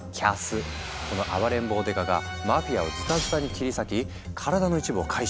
この暴れん坊刑事がマフィアをズタズタに切り裂き体の一部を回収。